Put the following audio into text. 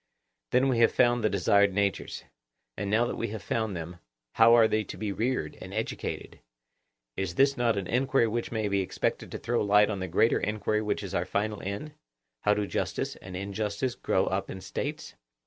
Then we have found the desired natures; and now that we have found them, how are they to be reared and educated? Is not this an enquiry which may be expected to throw light on the greater enquiry which is our final end—How do justice and injustice grow up in States?